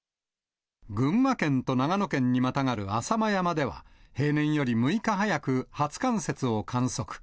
群馬県と長野県にまたがる浅間山では、平年より６日早く初冠雪を観測。